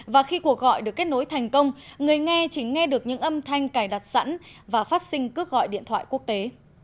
và khi cuộc gọi được kết nối thành công người nghe chỉ nghe được những âm thanh cài đặt sẵn và phát sinh cước gọi điện thoại quốc tế